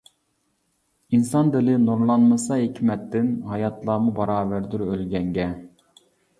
ئىنسان دىلى نۇرلانمىسا ھېكمەتتىن، ھاياتلارمۇ باراۋەردۇر ئۆلگەنگە.